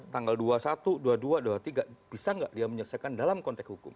tanggal dua puluh satu dua puluh dua dua puluh tiga bisa nggak dia menyelesaikan dalam konteks hukum